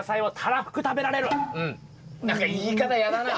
何か言い方やだな。